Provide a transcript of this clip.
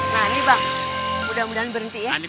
nah ini bang mudah mudahan berhenti ya